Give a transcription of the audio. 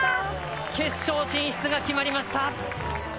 決勝進出が決まりました。